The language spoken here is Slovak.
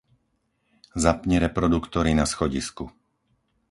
Zapni reproduktory na schodisku.